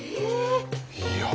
いや。